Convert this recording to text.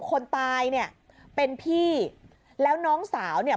คนตายเนี่ยเป็นพี่แล้วน้องสาวเนี่ย